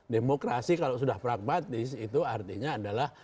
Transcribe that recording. demokrasi kalau sudah pragmatis itu artinya adalah